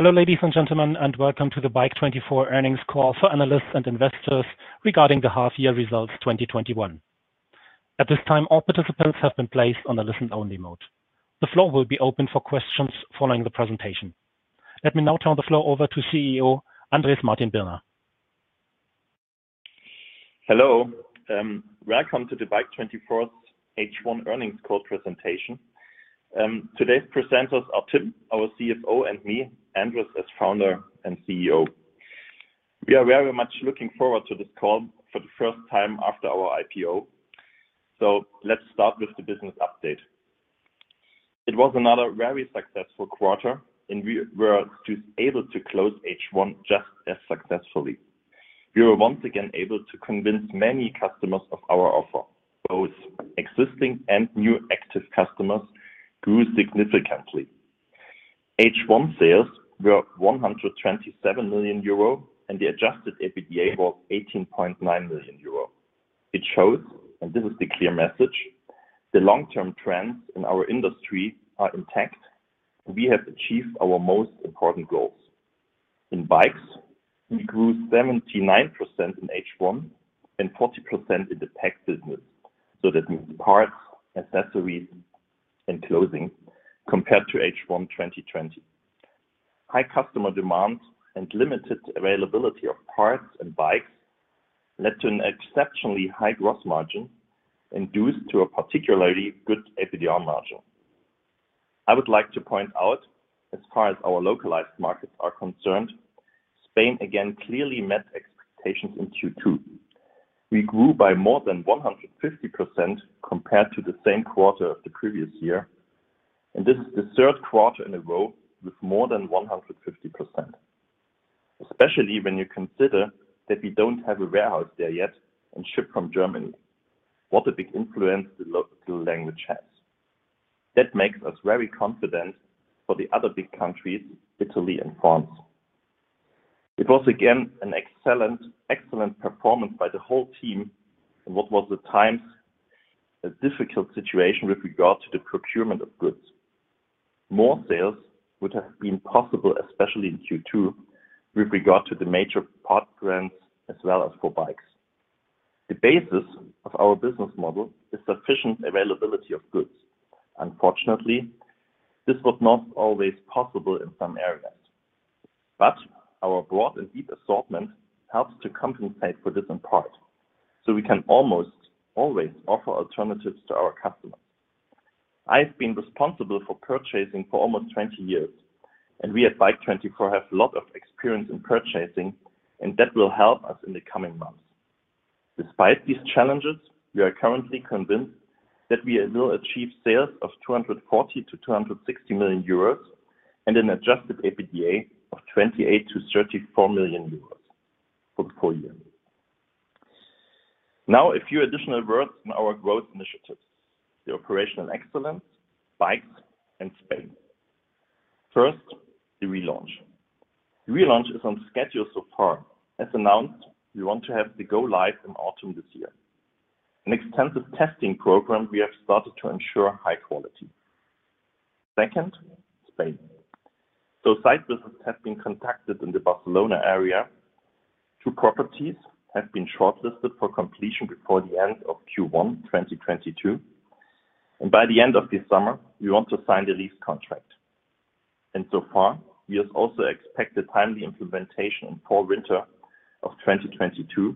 Hello, ladies and gentlemen, and welcome to the Bike24 earnings call for analysts and investors regarding the half year results 2021. Let me now turn the floor over to CEO, Andrés Martin-Birner. Hello. Welcome to the Bike24 H1 earnings call presentation. Today's presenters are Timm, our CFO, and me, Andrés, as founder and CEO. We are very much looking forward to this call for the first time after our IPO. Let's start with the business update. It was another very successful quarter, and we were able to close H1 just as successfully. We were once again able to convince many customers of our offer, both existing and new active customers grew significantly. H1 sales were 127 million euro, and the adjusted EBITDA was 18.9 million euro. It shows, and this is the clear message, the long-term trends in our industry are intact, and we have achieved our most important goals. In bikes, we grew 79% in H1 and 40% in the tech business, that means Parts, Accessories and Clothing, compared to H1 2020. High customer demand and limited availability of parts and bikes led to an exceptionally high gross margin, and thus to a particularly good EBITDA margin. I would like to point out, as far as our localized markets are concerned, Spain again clearly met expectations in Q2. We grew by more than 150% compared to the same quarter of the previous year, and this is the third quarter in a row with more than 150%. Especially when you consider that we don't have a warehouse there yet and ship from Germany. What a big influence the local language has. That makes us very confident for the other big countries, Italy and France. It was again an excellent performance by the whole team in what was at times a difficult situation with regard to the procurement of goods. More sales would have been possible, especially in Q2, with regard to the major parts brands, as well as for bikes. The basis of our business model is sufficient availability of goods. Unfortunately, this was not always possible in some areas. Our broad and deep assortment helps to compensate for this in part, so we can almost always offer alternatives to our customers. I've been responsible for purchasing for almost 20 years, and we at Bike24 have lot of experience in purchasing, and that will help us in the coming months. Despite these challenges, we are currently convinced that we will achieve sales of 240 million-260 million euros, and an adjusted EBITDA of 28 million-34 million euros for the full year. A few additional words on our growth initiatives, the operational excellence, bikes, and Spain. First, the relaunch. The relaunch is on schedule so far. As announced, we want to have the go live in autumn this year. An extensive testing program we have started to ensure high quality. Second, Spain. Site visits have been conducted in the Barcelona area. Two properties have been shortlisted for completion before the end of Q1 2022, by the end of this summer, we want to sign the lease contract. So far, we also expect a timely implementation for winter of 2022.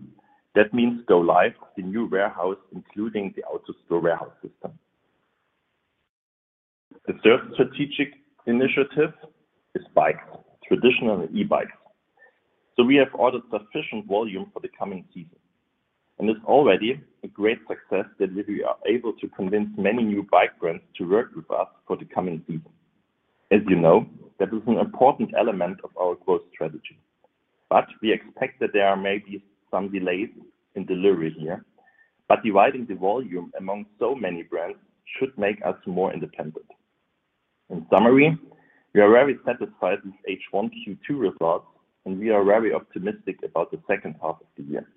That means go live the new warehouse, including the AutoStore warehouse system. The third strategic initiative is bikes, traditional and e-bikes. We have ordered sufficient volume for the coming season, it's already a great success that we are able to convince many new bike brands to work with us for the coming season. As you know, that is an important element of our growth strategy. We expect that there may be some delays in delivery here, but dividing the volume among so many brands should make us more independent. In summary, we are very satisfied with H1 Q2 results, and we are very optimistic about the second half of the year.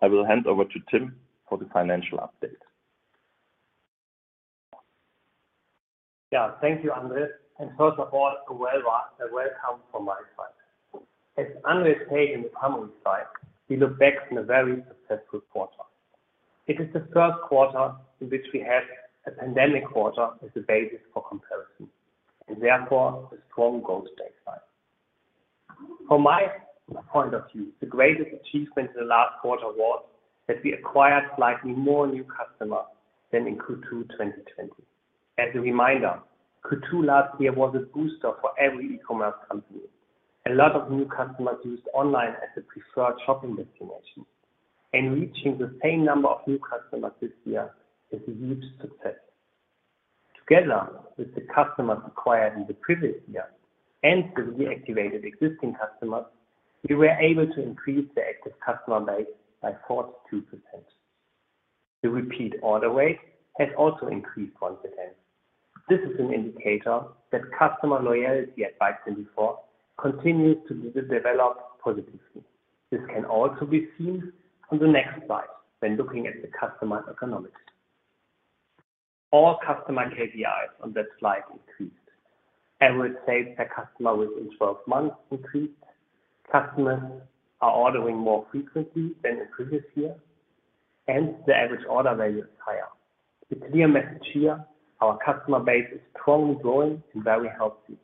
I will hand over to Timm for the financial update. Thank you, Andrés, and first of all, a welcome from my side. As Andrés said in the comments slide, we look back on a very successful quarter. It is the first quarter in which we had a pandemic quarter as a basis for comparison, and therefore a strong growth baseline. From my point of view, the greatest achievement in the last quarter was that we acquired slightly more new customers than in Q2 2020. As a reminder, Q2 last year was a booster for every e-commerce company. A lot of new customers used online as a preferred shopping destination, and reaching the same number of new customers this year is a huge success. Together with the customers acquired in the previous year and the reactivated existing customers, we were able to increase the active customer base by 42%. The repeat order rate has also increased once again. This is an indicator that customer loyalty at Bike24 continues to develop positively. This can also be seen on the next slide when looking at the customer economics. All customer KPIs on that slide increased. Average sales per customer within 12 months increased. Customers are ordering more frequently than the previous year, and the average order value is higher. The clear message here, our customer base is strongly growing and very healthy.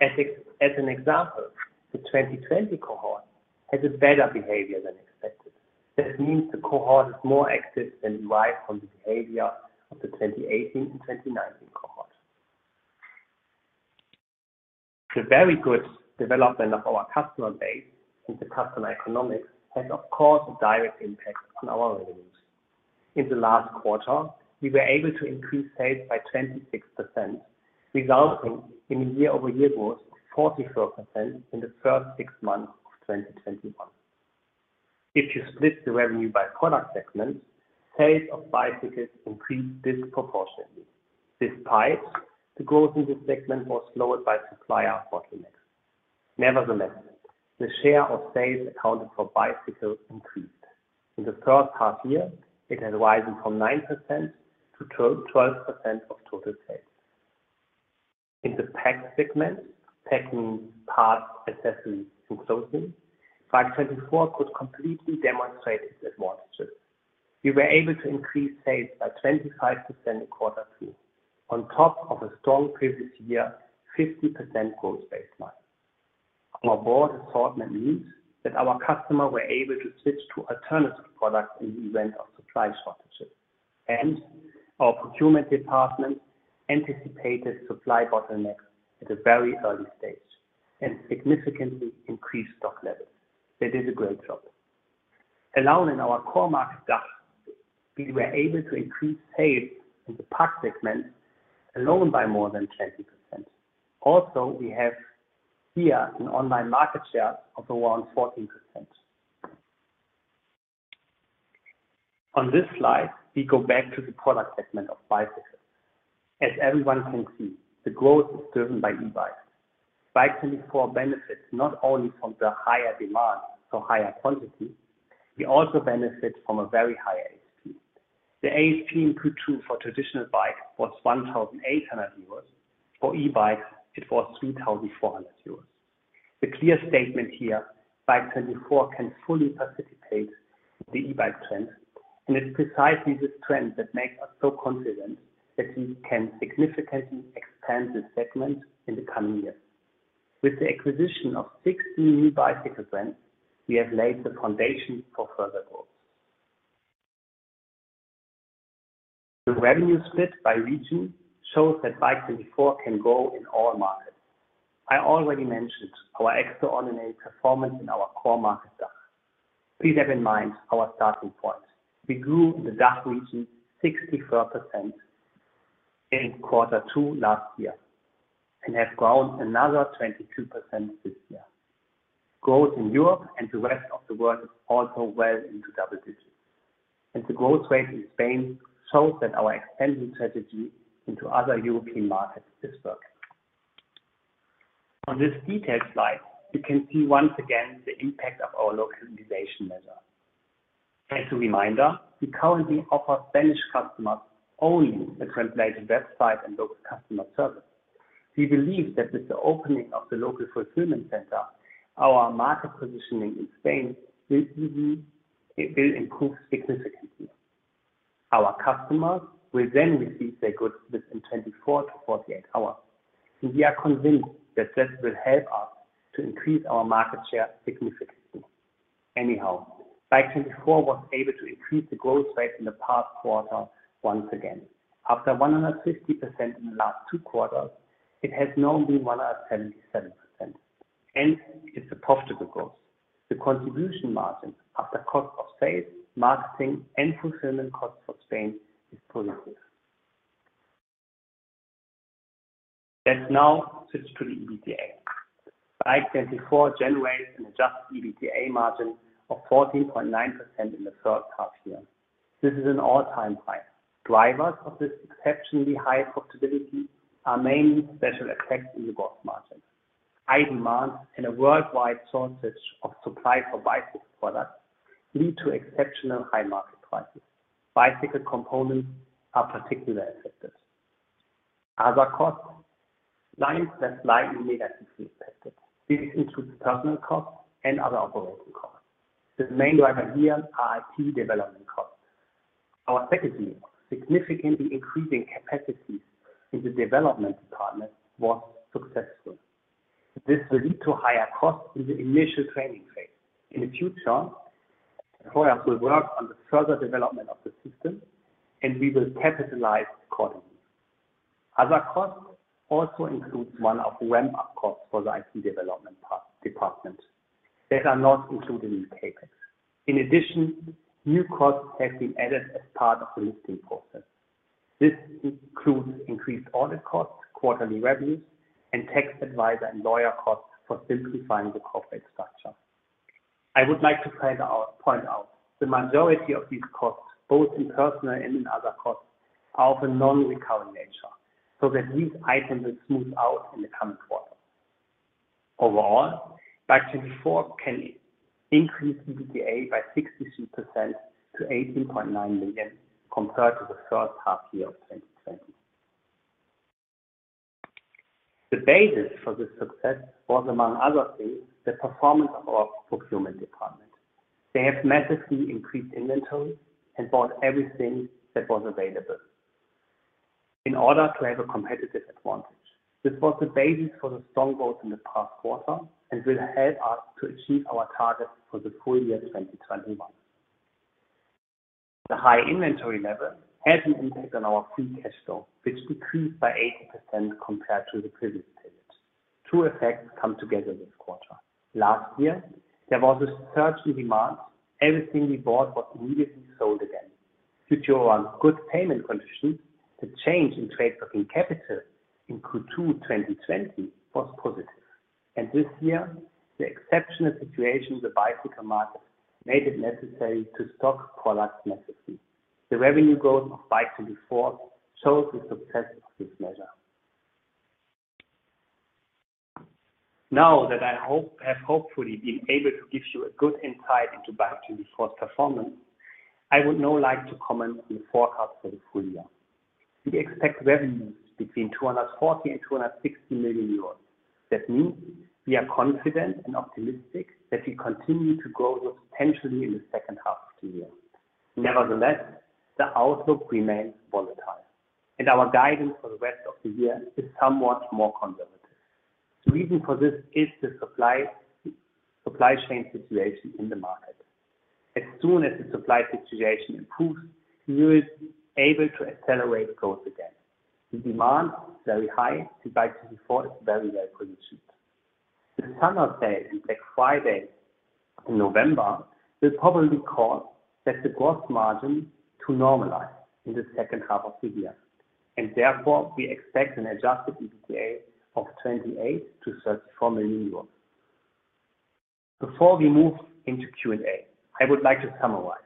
As an example, the 2020 cohort has a better behavior than expected. This means the cohort is more active than derived from the behavior of the 2018 and 2019 cohort. The very good development of our customer base and the customer economics has, of course, a direct impact on our revenues. In the last quarter, we were able to increase sales by 26%, resulting in a year-over-year growth of 44% in the first six months of 2021. If you split the revenue by product segments, sales of bicycles increased disproportionately. Despite the growth in this segment was slowed by supplier bottlenecks. Nevertheless, the share of sales accounted for bicycles increased. In the first half year, it has risen from 9% to 12% of total sales. In the parts segment, PAC parts, accessories and clothing, Bike24 could completely demonstrate its advantages. We were able to increase sales by 25% in quarter two on top of a strong previous year, 15% growth baseline. Our broad assortment means that our customer were able to switch to alternative products in the event of supply shortages, and our procurement department anticipated supply bottlenecks at a very early stage and significantly increased stock levels. They did a great job. Alone in our core market, DACH, we were able to increase sales in the parts segment alone by more than 20%. We have here an online market share of around 14%. On this slide, we go back to the product segment of bicycles. As everyone can see, the growth is driven by e-bikes. Bike24 benefits not only from the higher demand, so higher quantities, we also benefit from a very high ASP. The ASP in Q2 for traditional bike was 1,800 euros. For e-bikes, it was 3,400 euros. The clear statement here, Bike24 can fully participate in the e-bike trend, and it's precisely this trend that makes us so confident that we can significantly expand this segment in the coming years. With the acquisition of 16 new bicycle brands, we have laid the foundation for further growth. The revenue split by region shows that Bike24 can grow in all markets. I already mentioned our extraordinary performance in our core market, DACH. Please have in mind our starting point. We grew the DACH region 64% in Q2 last year and have grown another 22% this year. Growth in Europe and the rest of the world is also well into double digits, and the growth rate in Spain shows that our expansion strategy into other European markets is working. On this detail slide, you can see once again the impact of our localization measure. As a reminder, we currently offer Spanish customers only a translated website and local customer service. We believe that with the opening of the local fulfillment center, our market positioning in Spain will improve significantly. Our customers will then receive their goods within 24 hours-48 hours, and we are convinced that this will help us to increase our market share significantly. Anyhow, Bike24 was able to increase the growth rate in the past quarter once again. After 150% in the last two quarters, it has now been 177%, and it's a profitable growth. The contribution margin after cost of sales, marketing, and fulfillment costs for Spain is positive. Let's now switch to the EBITDA. Bike24 generates an adjusted EBITDA margin of 14.9% in the first half year. This is an all-time high. Drivers of this exceptionally high profitability are mainly special effects in the gross margin. High demand and a worldwide shortage of supply for bicycle products lead to exceptionally high market prices. Bicycle components are particularly affected. Other cost lines are slightly negatively affected. This includes personnel costs and other operating costs. The main driver here is IT development costs. Our strategy of significantly increasing capacities in the development department was successful. This will lead to higher costs in the initial training phase. In the future, employees will work on the further development of the system, and we will capitalize accordingly. Other costs also include one-off ramp-up costs for the IT development department that are not included in CapEx. New costs have been added as part of the listing process. This includes increased audit costs, quarterly revenues, and tax advisor and lawyer costs for simplifying the corporate structure. I would like to further point out the majority of these costs, both in personnel and in other costs, are of a non-recurrent nature. These items will smooth out in the coming quarter. Overall, Bike24 can increase EBITDA by 63% to 18.9 million compared to the first half year of 2020. The basis for this success was, among other things, the performance of our procurement department. They have massively increased inventory and bought everything that was available in order to have a competitive advantage. This was the basis for the strong growth in the past quarter and will help us to achieve our targets for the full year 2021. The high inventory level had an impact on our free cash flow, which decreased by 80% compared to the previous period. Two effects come together this quarter. Last year, there was a surge in demand. Everything we bought was immediately sold again. Due to our good payment condition, the change in trade working capital in Q2 2020 was positive, and this year, the exceptional situation in the bicycle market made it necessary to stock products massively. The revenue growth of Bike24 shows the success of this measure. Now that I have hopefully been able to give you a good insight into Bike24's performance, I would now like to comment on the forecast for the full year. We expect revenues between 240 million-260 million euros. We are confident and optimistic that we continue to grow substantially in the second half of the year. Nevertheless, the outlook remains volatile, and our guidance for the rest of the year is somewhat more conservative. The reason for this is the supply chain situation in the market. As soon as the supply situation improves, we will be able to accelerate growth again. The demand is very high, Bike24 is very well positioned. The summer sale and Black Friday in November will probably cause the gross margin to normalize in the second half of the year, and therefore, we expect an adjusted EBITDA of 28 million-34 million euros. Before we move into Q&A, I would like to summarize.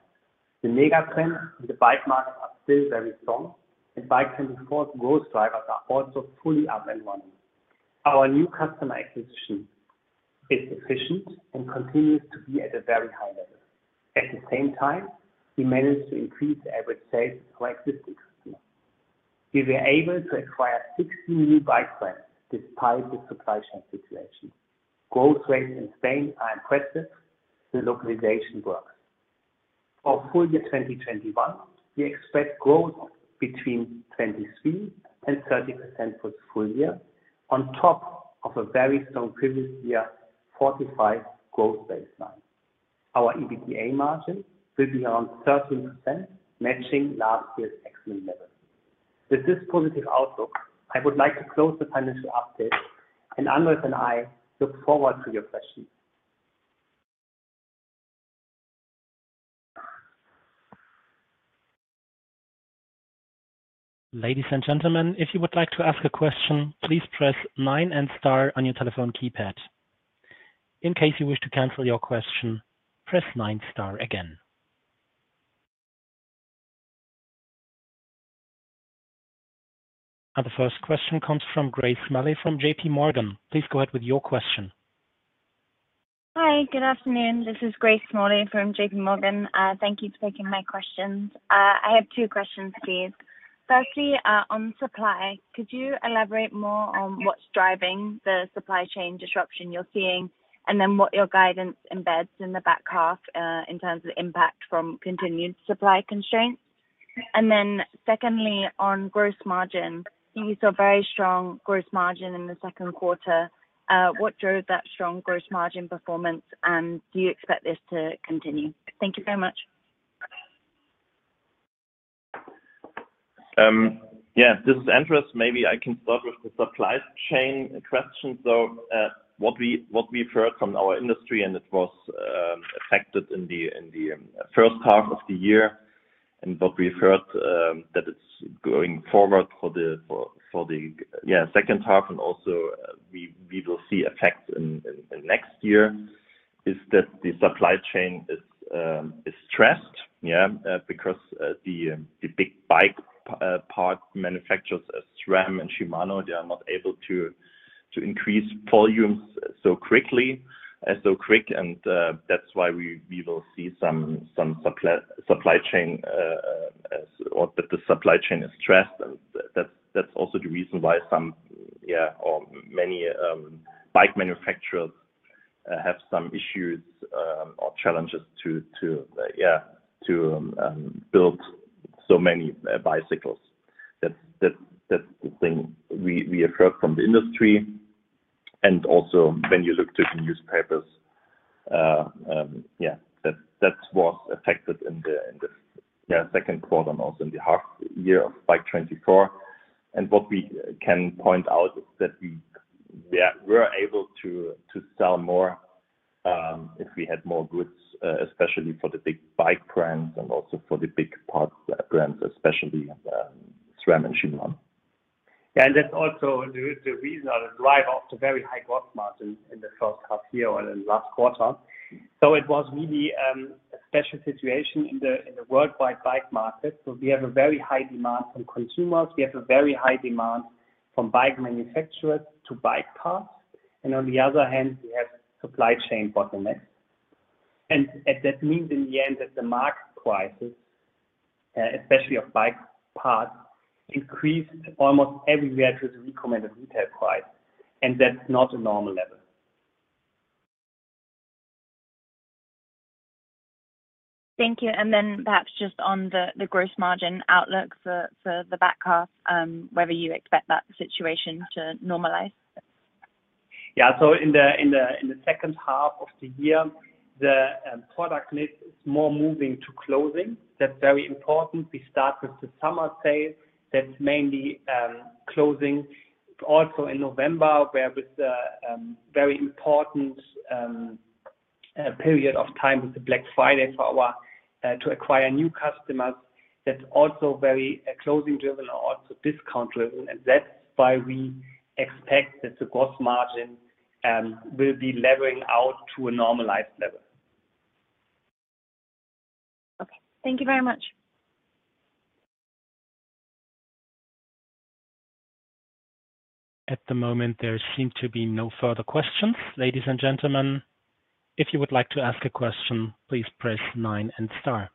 The mega trends in the bike market are still very strong, and Bike24's growth drivers are also fully up and running. Our new customer acquisition is efficient and continues to be at a very high level. At the same time, we managed to increase the average sales to our existing customers. We were able to acquire 60 new bike brands despite the supply chain situation. Growth rates in Spain are impressive. The localization works. For full year 2021, we expect growth between 23% and 30% for the full year on top of a very strong previous year, 45% growth baseline. Our EBITDA margin will be around 13%, matching last year's excellent level. With this positive outlook, I would like to close the financial update, and Andrés and I look forward to your questions. Ladies and gentlemen, if you would like to ask a question, please press nine and star on your telephone keypad. In case you wish to cancel your question, press nine star again. The first question comes from Grace Smalley from JPMorgan. Please go ahead with your question. Hi, good afternoon. This is Grace Smalley from JPMorgan. Thank you for taking my questions. I have two questions, please. Firstly, on supply, could you elaborate more on what's driving the supply chain disruption you're seeing, and then what your guidance embeds in the back half in terms of impact from continued supply constraints? Secondly, on gross margin, you saw very strong gross margin in the second quarter. What drove that strong gross margin performance, and do you expect this to continue? Thank you very much. Yeah, this is Andrés. Maybe I can start with the supply chain question, though. What we've heard from our industry, and it was affected in the first half of the year, and what we've heard that it's going forward for the second half and also we will see effects in next year, is that the supply chain is stressed because the big bike part manufacturers as SRAM and Shimano, they are not able to increase volumes so quick, and that's why we will see that the supply chain is stressed. That's also the reason why many bike manufacturers have some issues or challenges to build so many bicycles. That's the thing we have heard from the industry and also when you look to the newspapers. That was affected in the second quarter and also in the half year of Bike24. What we can point out is that we were able to sell more if we had more goods, especially for the big bike brands and also for the big parts brands, especially SRAM and Shimano. Yeah, that's also the reason that drive up the very high gross margin in the first half year or in the last quarter. It was really a special situation in the worldwide bike market. We have a very high demand from consumers. We have a very high demand from bike manufacturers to bike parts. On the other hand, supply chain bottlenecks. That means in the end that the market prices, especially of bike parts, increased almost everywhere to the recommended retail price, and that's not a normal level. Thank you. Perhaps just on the gross margin outlook for the back half, whether you expect that situation to normalize? In the second half of the year, the product mix is more moving to clothing. That's very important. We start with the summer sale, that's mainly clothing. Also in November, where with the very important period of time with the Black Friday to acquire new customers, that's also very clothing driven or also discount driven. That's why we expect that the gross margin will be leveling out to a normalized level. Okay. Thank you very much. At the moment, there seem to be no further questions, ladies and gentlemen. If you would like to ask a question, please press nine and star.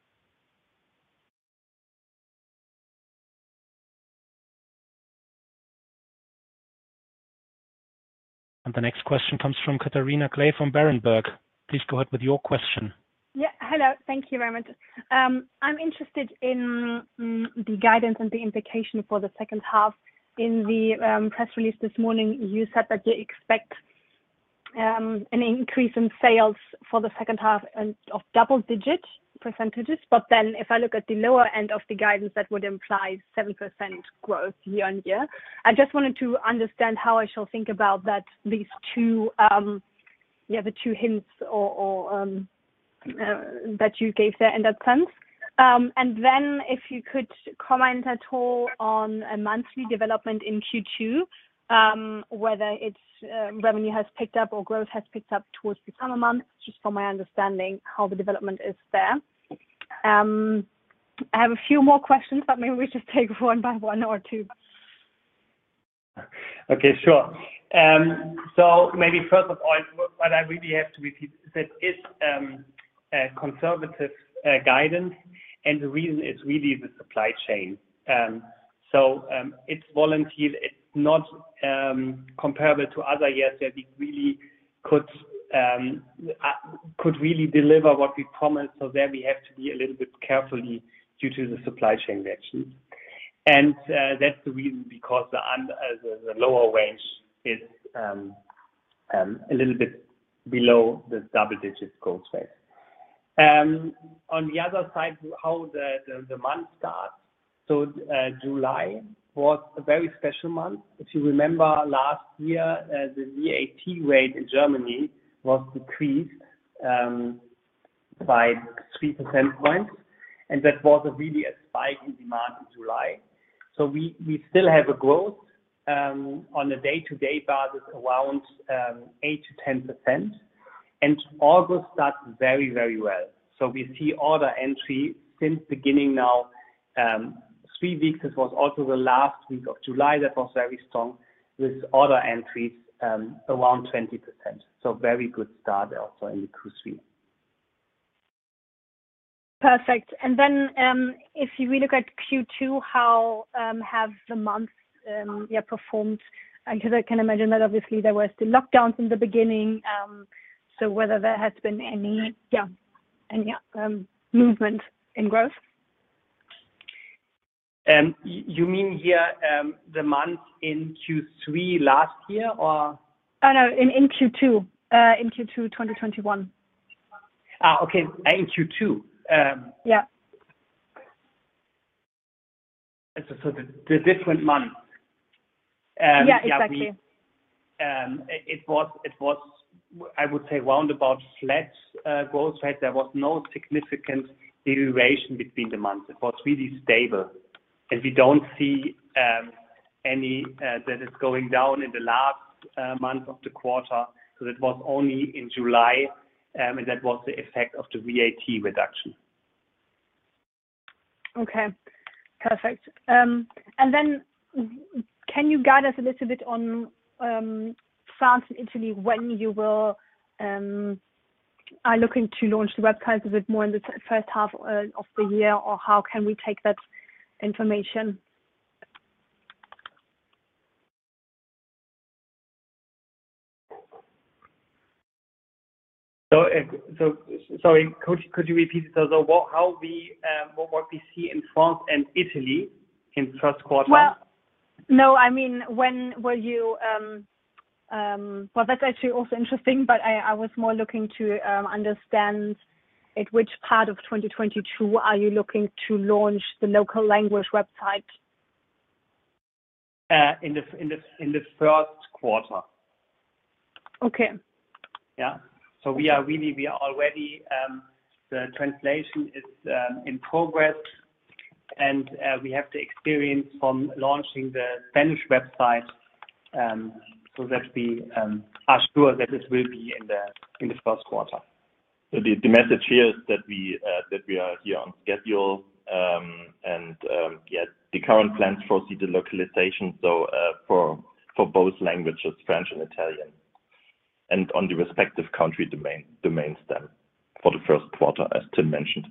The next question comes from Catharina Claes from Berenberg. Please go ahead with your question. Yeah. Hello. Thank you very much. I'm interested in the guidance and the implication for the second half. In the press release this morning, you said that you expect an increase in sales for the second half and of double-digit percentage, if I look at the lower end of the guidance, that would imply 7% growth year-over-year. I just wanted to understand how I shall think about these two hints that you gave there in that sense. If you could comment at all on a monthly development in Q2, whether its revenue has picked up or growth has picked up towards the summer months, just for my understanding how the development is there. I have a few more questions, maybe we just take one by one or two. Okay, sure. Maybe first of all, what I really have to repeat is that it's a conservative guidance, and the reason is really the supply chain. It's volatile. It's not comparable to other years that we could really deliver what we promised. There we have to be a little bit carefully due to the supply chain actually. That's the reason because the lower range is a little bit below the double digits growth rate. On the other side, how the month starts. July was a very special month. If you remember last year, the VAT rate in Germany was decreased by 3 percentage points, and that was really a spike in demand in July. We still have a growth, on a day-to-day basis around 8%-10%. August starts very, very well. We see order entry since beginning now, 3 weeks. It was also the last week of July that was very strong with order entries around 20%. Very good start also in Q3. Perfect. If you really look at Q2, how have the months year performed? Because I can imagine that obviously there was the lockdowns in the beginning, so whether there has been any movement in growth? You mean here the months in Q3 last year, or? Oh, no, in Q2. In Q2 2021. okay. In Q2. Yeah. The different months? Yeah, exactly. It was, I would say, roundabout flat growth rate. There was no significant deviation between the months. It was really stable. We don't see any that is going down in the last month of the quarter, so that was only in July, and that was the effect of the VAT reduction. Okay. Perfect. Can you guide us a little bit on France and Italy, when you are looking to launch the website a bit more in the first half of the year, or how can we take that information? Sorry, could you repeat it? What we see in France and Italy in first quarter? Well, no. Well, that's actually also interesting, but I was more looking to understand at which part of 2022 are you looking to launch the local language website? In the first quarter. Okay. Yeah. We are already The translation is in progress, and we have the experience from launching the Spanish website, so that we are sure that this will be in the first quarter. The message here is that we are here on schedule. The current plans foresee the localization, so for both languages, French and Italian, and on the respective country domain stem for the first quarter, as Timm mentioned.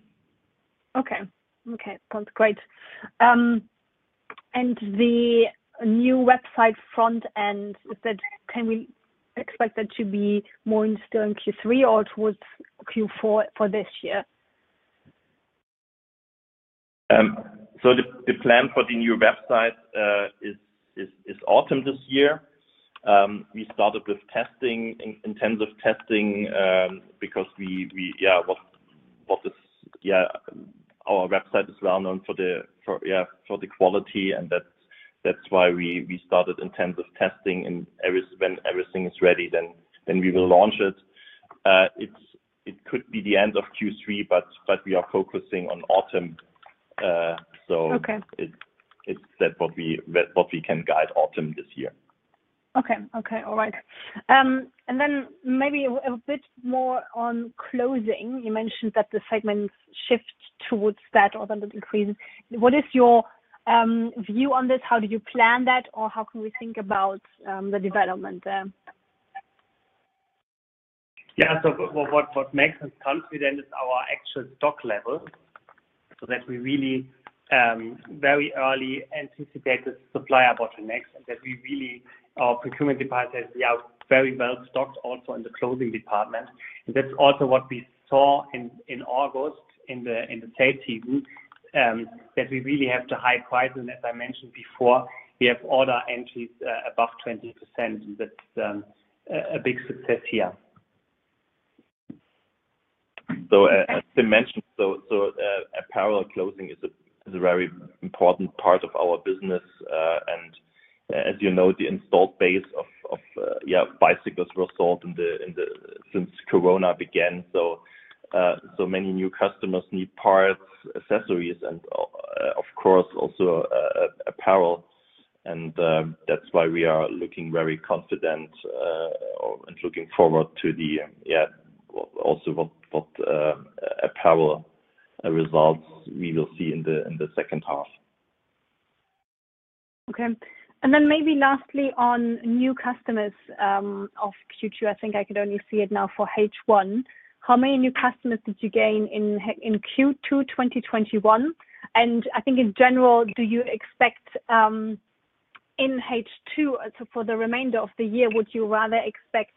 Okay. Sounds great. The new website front end, can we expect that to be more in store in Q3 or towards Q4 for this year? The plan for the new website is autumn this year. We started with testing, intensive testing, because our website is well-known for the quality, and that is why we started intensive testing, and when everything is ready, then we will launch it. It could be the end of Q3, but we are focusing on autumn. Okay. That's what we can guide autumn this year. Okay. All right. Then maybe a bit more on clothing. You mentioned that the segments shift towards that or then it increases. What is your view on this? How did you plan that, or how can we think about the development there? What makes us confident is our actual stock levels, so that we really very early anticipated supplier bottlenecks and that our procurement department says we are very well stocked also in the clothing department. That's also what we saw in August in the sales team, that we really have the high prices, as I mentioned before. We have order entries above 20%, and that's a big success here. As Timm mentioned, apparel clothing is a very important part of our business. As you know, the installed base of bicycles were sold since Corona began. Many new customers need parts, accessories, and, of course, also apparel. That's why we are looking very confident, and looking forward to also what apparel results we will see in the second half. Okay. Maybe lastly, on new customers of Q2, I think I could only see it now for H1. How many new customers did you gain in Q2 2021? I think in general, do you expect in H2, so for the remainder of the year, would you rather expect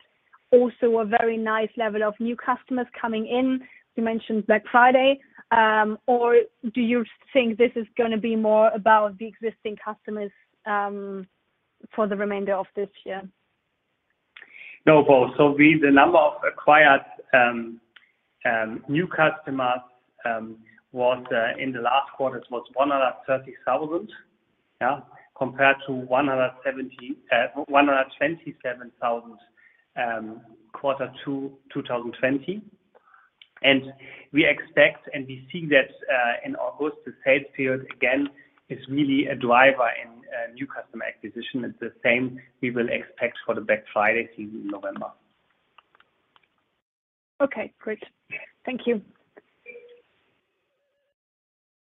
also a very nice level of new customers coming in? You mentioned Black Friday. Do you think this is going to be more about the existing customers for the remainder of this year? No, both. The number of acquired new customers in the last quarters was 130,000, compared to 127,000 Q2, 2020. We expect, and we see that in August, the sales period, again, is really a driver in new customer acquisition. It's the same we will expect for the Black Friday season in November. Okay, great. Thank you.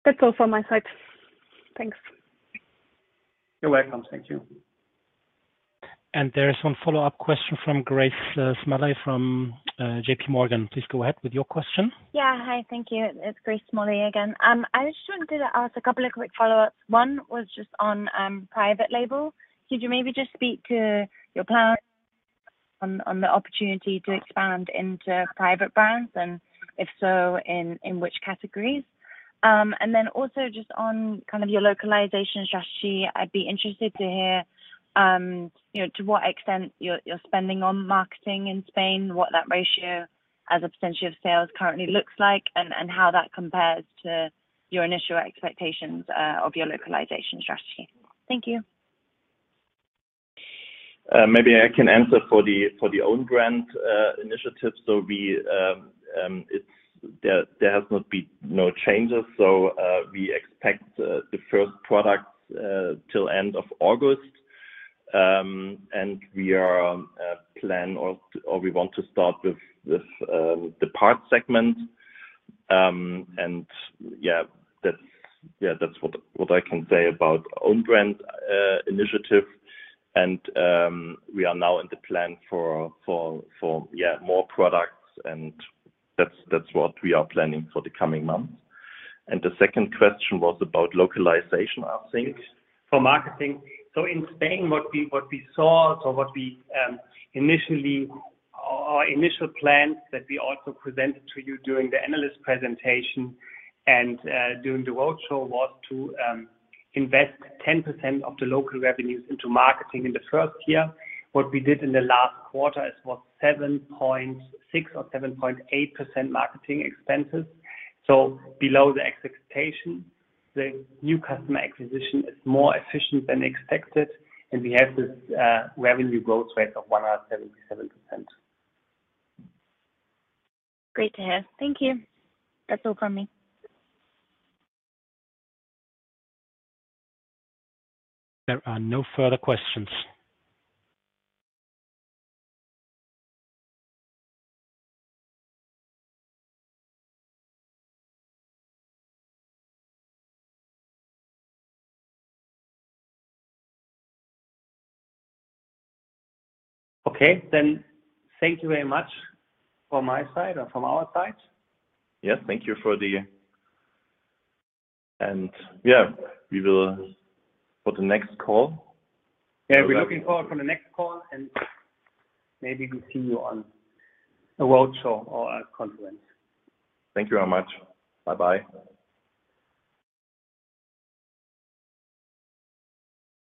That's all from my side. Thanks. You're welcome. Thank you. There is one follow-up question from Grace Smalley from JPMorgan. Please go ahead with your question. Yeah. Hi, thank you. It's Grace Smalley again. I just wanted to ask a couple of quick follow-ups. One was just on private label. Could you maybe just speak to your plan on the opportunity to expand into private brands, and if so, in which categories? Then also just on kind of your localization strategy, I'd be interested to hear to what extent you're spending on marketing in Spain, what that ratio as a percentage of sales currently looks like, and how that compares to your initial expectations of your localization strategy. Thank you. Maybe I can answer for the Own Brand Initiative. There has not been no changes. We expect the first products till end of August, and we plan or we want to start with the parts segment. That's what I can say about Own Brand Initiative. We are now in the plan for more products, and that's what we are planning for the coming months. The second question was about localization, I think. For marketing. In Spain, our initial plans that we also presented to you during the analyst presentation and during the roadshow was to invest 10% of the local revenues into marketing in the first year. What we did in the last quarter, it was 7.6% or 7.8% marketing expenses. Below the expectation. The new customer acquisition is more efficient than expected, and we have this revenue growth rate of 177%. Great to hear. Thank you. That's all from me. There are no further questions. Okay, thank you very much from my side, or from our side. Yes, thank you for the. Yeah, we will for the next call. Yeah, we're looking forward for the next call, and maybe we see you on a roadshow or a conference. Thank you very much. Bye-bye.